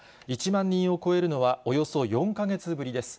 １万人を超えるのはおよそ４か月ぶりです。